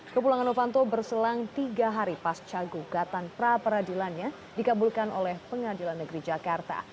kepulangan novanto berselang tiga hari pasca gugatan pra peradilannya dikabulkan oleh pengadilan negeri jakarta